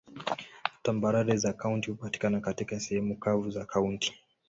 Tambarare za kaunti hupatikana katika sehemu kavu za kaunti.